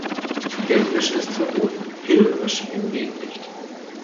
Geldwäsche ist verboten, Hirnwäsche hingegen nicht.